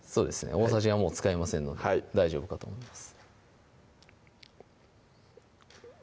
大さじはもう使いませんので大丈夫かと思います